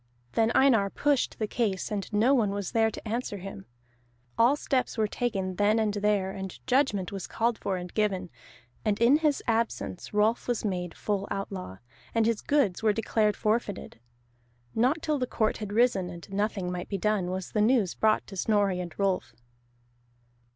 Then Einar pushed the case, and no one was there to answer him. All steps were taken then and there, and judgment was called for and given, and in his absence Rolf was made full outlaw, and his goods were declared forfeited. Not till the court had risen, and nothing might be done, was the news brought to Snorri and Rolf.